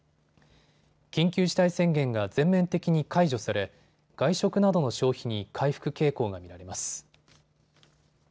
緊急事態宣言が全面的に解除され、外食などの消費に回復傾向が見られます。